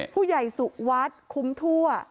ผู้ใหญ่สุวัสดิ์คุ้มทั่ว